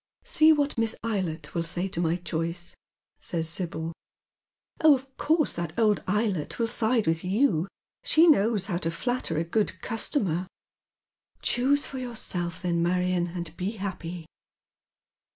" See what Miss Eylett will say to my choice," says Sibyl. '* Oh, of course that old Eylett will side with you. She knows how to flatter a good customer." *' Choose for yourself then, Marion, and be happy."